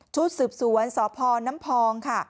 ชุดสืบสวนสพน้ำพองค่ะ